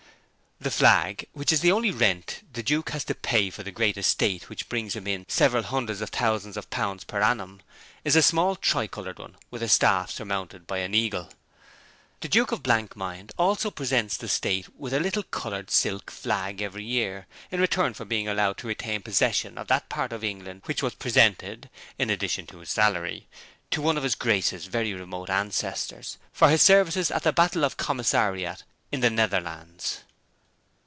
'The flag which is the only rent the Duke has to pay for the great estate which brings him in several hundreds of thousands of pounds per annum is a small tricoloured one with a staff surmounted by an eagle. 'The Duke of Blankmind also presents the State with a little coloured silk flag every year in return for being allowed to retain possession of that part of England which was presented in addition to his salary to one of His Grace's very remote ancestors, for his services at the battle of Commissariat in the Netherlands.